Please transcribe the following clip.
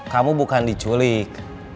kamu bukan diculik